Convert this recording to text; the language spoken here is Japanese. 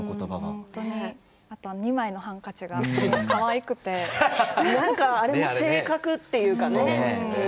あと２枚のハンカチがあれも性格というかね